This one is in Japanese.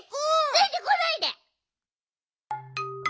ついてこないで！